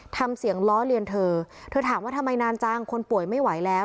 ทำเสียงล้อเลียนเธอเธอถามว่าทำไมนานจังคนป่วยไม่ไหวแล้ว